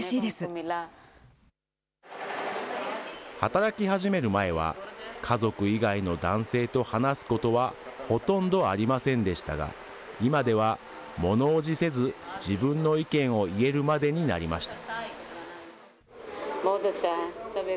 働き始める前は、家族以外の男性と話すことはほとんどありませんでしたが、今ではものおじせず、自分の意見を言えるまでになりました。